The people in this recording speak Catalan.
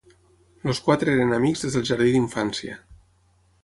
Els quatre eren amics des del jardí d'infància.